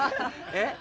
えっ？